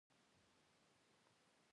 خو په ټول امریکا کې د دوی لپاره